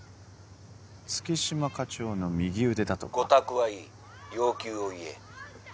月島課長の右腕だとか御託はいい要求を言え